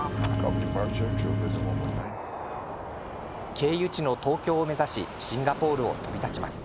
経由地の東京を目指しシンガポールを飛び立ちます。